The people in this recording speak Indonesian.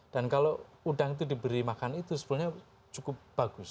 dan kalau udang itu diberi makan itu sebenarnya cukup bagus